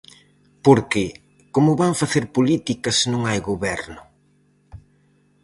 Porque, "como van facer política se non hai goberno?".